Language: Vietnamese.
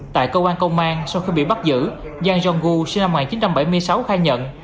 tại cơ quan công an sau khi bị bắt giữ zhang zhonggu sinh năm một nghìn chín trăm bảy mươi sáu khai nhận